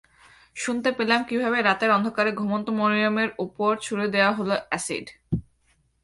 শুনতে পেলাম কীভাবে রাতের অন্ধকারে ঘুমন্ত মরিয়মের ওপর ছুড়ে দেওয়া হলো অ্যাসিড।